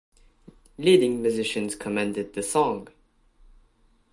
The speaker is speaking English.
Leading musicians commended the song.